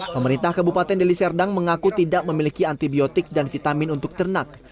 pemerintah kabupaten deli serdang mengaku tidak memiliki antibiotik dan vitamin untuk ternak